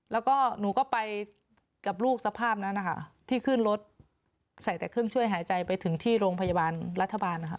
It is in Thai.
แล้วก็หนูก็ไปกับลูกสภาพนั้นนะคะที่ขึ้นรถใส่แต่เครื่องช่วยหายใจไปถึงที่โรงพยาบาลรัฐบาลนะคะ